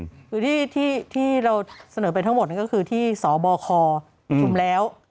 คือที่เราเสนอไปทั้งหมดก็คือที่สบคประชุมแล้ว